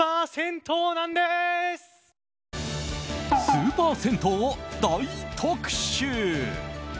スーパー銭湯を大特集。